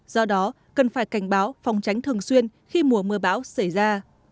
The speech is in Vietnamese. do đó cần phải cảnh báo phòng tránh thường xuyên khi mùa mưa bão xảy ra